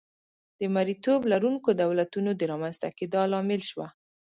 د مریتوب لرونکو دولتونو د رامنځته کېدا لامل شوه.